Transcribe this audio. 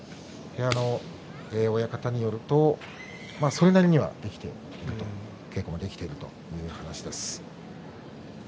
部屋の親方によるとそれなりには稽古ができているという話です。